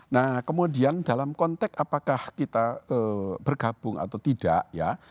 nah kemudian dalam konteks apakah kita bergabung atau tidak ya